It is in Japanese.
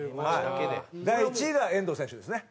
第１位が遠藤選手ですね。